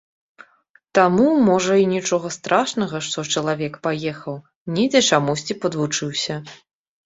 Таму, можа, і нічога страшнага, што чалавек паехаў, недзе чамусьці падвучыўся.